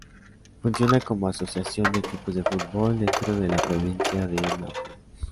Funciona como asociación de equipos de fútbol dentro de la Provincia de Napo.